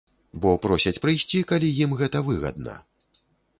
Бо просяць прыйсці, калі ім гэта выгадна.